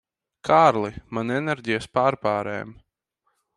Kārli, man enerģijas pārpārēm.